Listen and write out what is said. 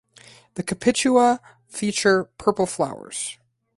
The capitula feature purple flowers.